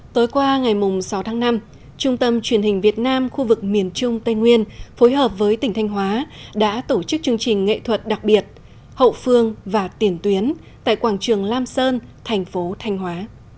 tối qua ngày sáu tháng năm trung tâm truyền hình việt nam khu vực miền trung tây nguyên phối hợp với tỉnh thanh hóa đã tổ chức chương trình nghệ thuật đặc biệt hậu phương và tiền tuyến tại quảng trường lam sơn thành phố thanh hóa